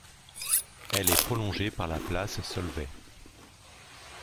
Elle est prolongée par la place Solvay.